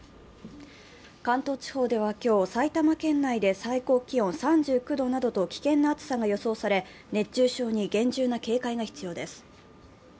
関東地方では今日、さいたま県内で最高気温３９度などと危険な暑さが予想され、熱中症に厳重な警戒が必要です。